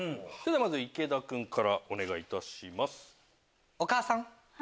まず池田君からお願いいたします。